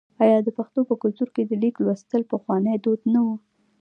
آیا د پښتنو په کلتور کې د لیک لوستل پخوانی دود نه و؟